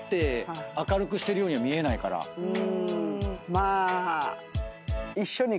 まあ。